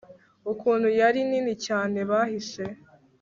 ukuntu yari nini cyane bahise